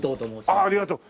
ああありがとう。